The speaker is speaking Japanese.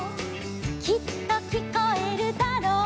「きっと聞こえるだろう」